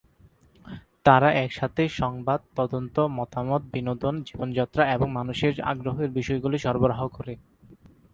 তারা একসাথে সংবাদ, তদন্ত, মতামত, বিনোদন, জীবনযাত্রা এবং মানুষের আগ্রহের বিষয়গুলি সরবরাহ করে।